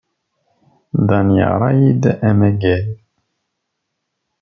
Dan yeɣra-iyi-d a amaggad.